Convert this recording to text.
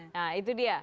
nah itu dia